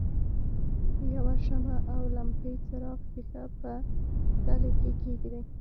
یوه شمع او لمپې څراغ ښيښه په تلې کې کیږدئ.